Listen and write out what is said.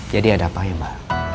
jadi ada apa ya mba